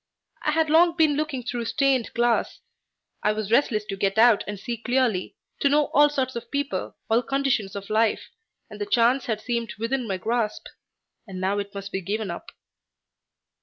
I had long been looking through stained glass. I was restless to get out and see clearly, to know all sorts of people, all conditions of life, and the chance had seemed within my grasp and now it must be given up.